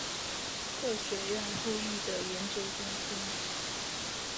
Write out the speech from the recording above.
各学院亦附设各类科学研究中心。